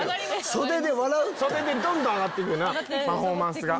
袖でどんどん上がって行くよなパフォーマンスが。